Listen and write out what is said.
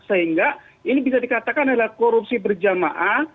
sehingga ini bisa dikatakan adalah korupsi berjamaah